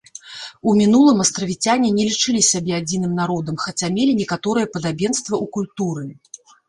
У мінулым астравіцяне не лічылі сябе адзіным народам, хаця мелі некаторае падабенства ў культуры.